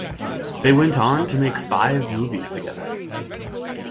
They went on to make five movies together.